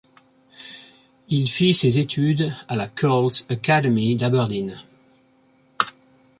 Il fit ses études à la Cults Academy d'Aberdeen.